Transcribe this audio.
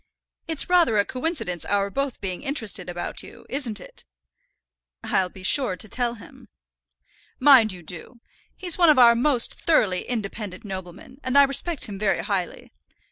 It's rather a coincidence our both being interested about you, isn't it?" "I'll be sure to tell him." "Mind you do. He's one of our most thoroughly independent noblemen, and I respect him very highly.